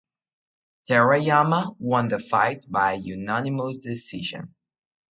Terayama won the fight by unanimous decision.